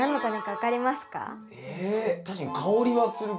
確かに香りはするけど。